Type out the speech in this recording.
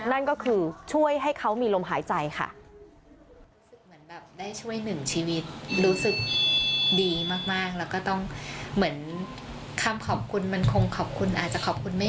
นั่นก็คือช่วยให้เขามีลมหายใจค่ะ